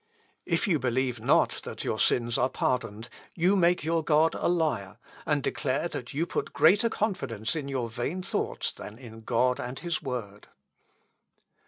"If you believe not that your sins are pardoned, you make your God a liar, and declare that you put greater confidence in your vain thoughts than in God and his word.